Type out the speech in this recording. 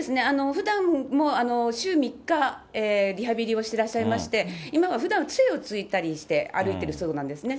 ふだんも週３日、リハビリをしてらっしゃいまして、今はふだん、つえを突いたりして歩いてるそうなんですね。